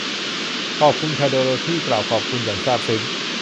ขอบคุณค่ะ โดโรธี กล่าวขอบคุณ อย่างซาบซึ้ง